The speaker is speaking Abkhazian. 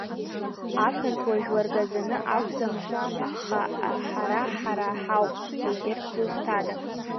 Ақырҭуа жәлар гаӡаны акәӡам, аха ҳара ҳара ҳауп, егьырҭ зусҭада!